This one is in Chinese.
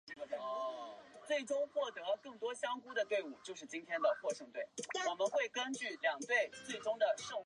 丰臣军一路降伏北条支城。